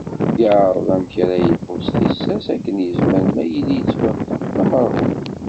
Yeεreḍ amek ara yelḥu s tissas akken yezmer mi yella yettwaṭṭef d amerhun.